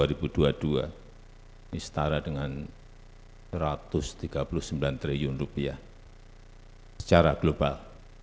ini setara dengan rp satu ratus tiga puluh sembilan triliun secara global